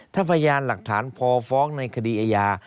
ถ้าพยานหลักฐานพอฟ้องในคดีอาญา